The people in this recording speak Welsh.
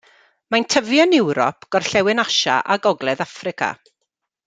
Mae'n tyfu yn Ewrop, gorllewin Asia a gogledd Affrica.